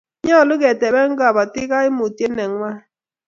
nyalun ketebee kabatiek kaimutiet nenywan